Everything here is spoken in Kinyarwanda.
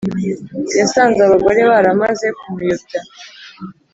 Yasanze abagore baramaze kumuyobya